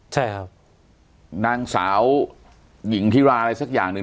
ใช่ครับนางสาวหญิงธิราอะไรสักอย่างหนึ่ง